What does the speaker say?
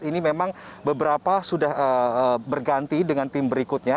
ini memang beberapa sudah berganti dengan tim berikutnya